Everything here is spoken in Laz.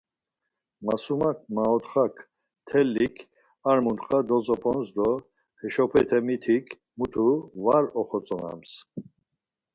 Masumak maotxak, mtellik ar muntxa dozop̌ons do heşopete mitik mutu var oxotzonams.